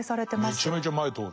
めちゃめちゃ前通る。